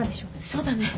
そうだね。